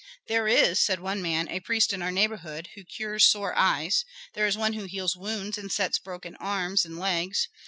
"There is," said one man, "a priest in our neighborhood who cures sore eyes; there is one who heals wounds and sets broken arms and legs.